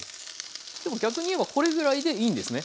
でも逆に言えばこれぐらいでいいんですね。